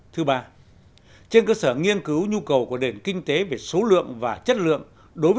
thứ ba trên cơ sở nghiên cứu nhu cầu của đền kinh tế về số lượng và chất lượng đối với từng nghề